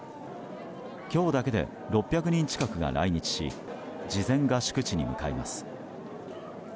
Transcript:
今日だけで６００人近くが来日し事前合宿地に向かいます。